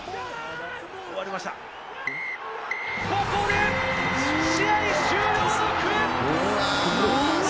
ここで試合終了の笛！